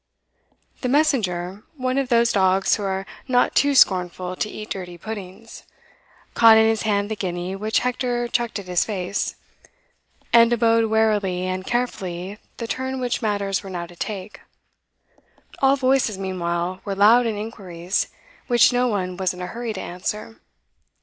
The messenger (one of those dogs who are not too scornful to eat dirty puddings) caught in his hand the guinea which Hector chucked at his face; and abode warily and carefully the turn which matters were now to take. All voices meanwhile were loud in inquiries, which no one was in a hurry to answer.